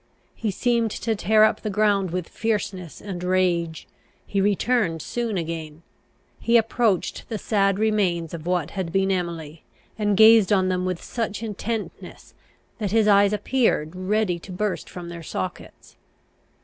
He seemed to tear up the ground with fierceness and rage. He returned soon again. He approached the sad remains of what had been Emily, and gazed on them with such intentness, that his eyes appeared, ready to burst from their sockets.